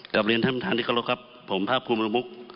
กับเรียนท่านประธานดิกรกครับผมพระพุทธมุรมุก